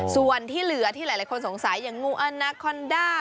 ส่วนที่เหลือที่หลายคนสงสัยอย่างงูอาณาคอนด้า